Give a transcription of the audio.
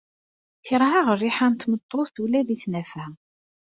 Kerheɣ rriḥa n tmeṭṭut ula di tnafa.